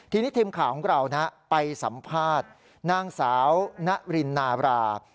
ทีนี้ทีมข่าวของเราไปสัมภาษณ์นางสาวนรินนาบรา